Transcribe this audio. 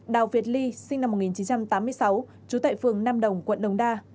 đào việt ly sinh năm một nghìn chín trăm tám mươi sáu chú tệ phường nam đồng quận đống đa